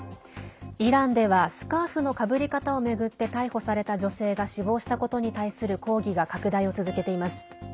イランではスカーフのかぶり方を巡って逮捕された女性が死亡したことに対する抗議が拡大を続けています。